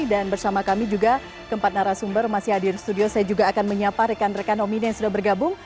bersama kami juga keempat narasumber masih hadir studio saya juga akan menyapa rekan rekan nomini yang sudah bergabung